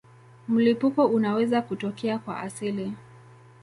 Mlipuko unaweza kutokea kwa asili.